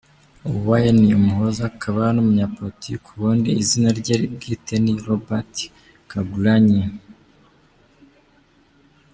Wine, umuhanzi akaba n'umunyapolitiki, ubundi izina rye bwite ni Robert Kyagulanyi.